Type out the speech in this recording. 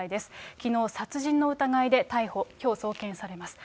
きのう、殺人の疑いで逮捕、きょう送検されます。